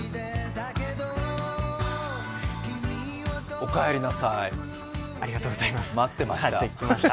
おかえりなさい。